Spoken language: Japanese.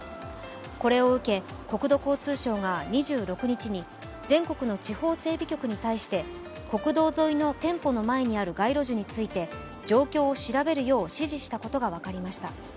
これを受け、国土交通省が２６日に全国の地方整備局に対して国道沿いの店舗の前にある街路樹について状況を調べるよう指示したことが分かりました。